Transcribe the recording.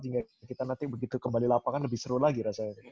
sehingga kita nanti begitu kembali lapangan lebih seru lagi rasanya